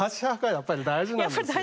やっぱり大事なわけですね。